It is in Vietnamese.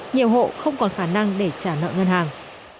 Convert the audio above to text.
nhiều hộ không còn khả năng để trả nợ ngân hàng